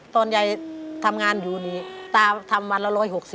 ตอนยายทำงานอยู่นี่ตาทำวันละ๑๖๐